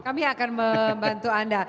kami akan membantu anda